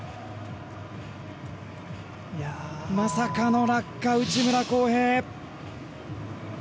まさかの落下、内村航平。